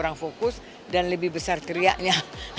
kurang fokus dan lebih besar teriaknya